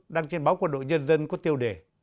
đăng trên báo quân đội nhân dân có tiêu đề